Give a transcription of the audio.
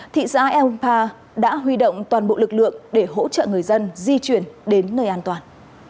thị xã eopa đã huy động toàn bộ lực lượng để hỗ trợ người dân di chuyển đến nơi an toàn